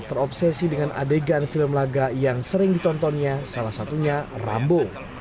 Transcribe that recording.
terobsesi dengan adegan film laga yang sering ditontonnya salah satunya rambo